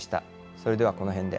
それではこの辺で。